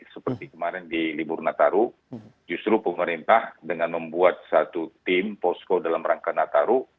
seperti kemarin di libur nataru justru pemerintah dengan membuat satu tim posko dalam rangka nataru